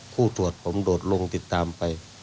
ผู้ตรวจผมโดดลงติดตามไป